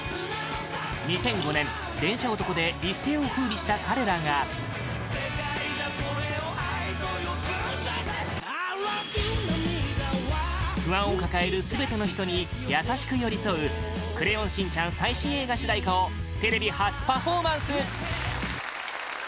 ２００５年、「電車男」で一世を風靡した彼らが不安を抱える全ての人に優しく寄り添う「クレヨンしんちゃん」最新映画主題歌をテレビ初パフォーマンス！